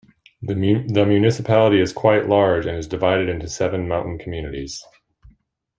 The municipality is quite large and is divided into seven mountain communities.